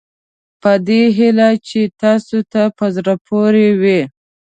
په دې هیله چې تاسوته په زړه پورې وي.